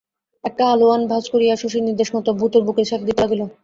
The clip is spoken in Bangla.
একটা আলোয়ান ভাজ করিয়া শশীর নির্দেশমতো ভুতোর বুকে সেঁক দিতে লাগিল।